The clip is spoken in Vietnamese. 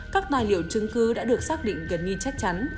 các tài liệu chứng cứ đã được xác định gần như chắc chắn